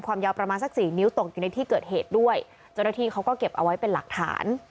ยาวประมาณสักสี่นิ้วตกอยู่ในที่เกิดเหตุด้วยเจ้าหน้าที่เขาก็เก็บเอาไว้เป็นหลักฐาน